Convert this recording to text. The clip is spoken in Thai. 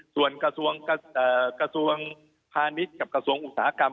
ส่วนกระทรวงพาณิชย์กับกระทรวงอุตสาหกรรม